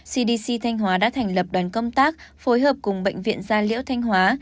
cdc thành hóa đã thành lập đoàn công tác phối hợp cùng bệnh viện gia liễu thành hóa